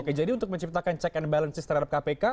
oke jadi untuk menciptakan check and balances terhadap kpk